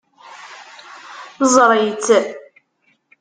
Ẓeṛ-itt.